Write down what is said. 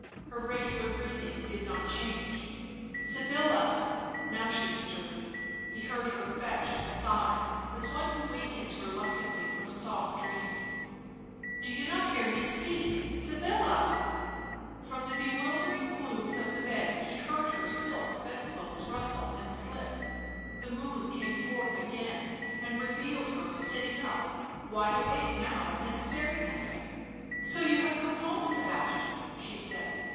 Her regular breathing did not change. " Sybilla." Now she stirred; he heard her fetch a sigh as one who wakens reluctantly from soft dreams. Digitized by UNIVERSITY OF MICHIGAN Original from UNIVERSITY OF MICHIGAN 1 50 BLACK MAGIC "Do you not hear me speak, Sybilla?" From the bewildering glooms of the bed he heard her silk bed clothes rustle and slip ; the moon came forth again and revealed her sitting up, wide awake now and staring at him. "So you have come home, Sebastian?" she said.